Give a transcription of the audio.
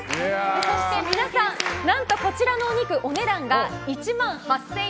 そして皆さん何とこちらのお肉、お値段が１万８０００円。